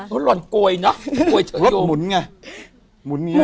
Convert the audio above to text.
มันหมุนไง